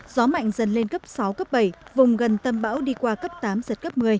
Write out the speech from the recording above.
gió mạnh dần lên cấp sáu cấp bảy vùng gần tâm bão đi qua cấp tám giật cấp một mươi